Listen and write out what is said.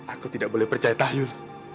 aku tidak boleh percaya tahyur